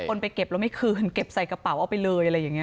ไปเก็บแล้วไม่คืนเก็บใส่กระเป๋าเอาไปเลยอะไรอย่างนี้